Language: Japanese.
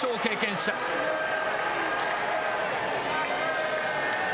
優勝経験者。